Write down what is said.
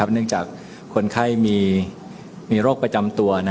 เนื่องจากคนไข้มีโรคประจำตัว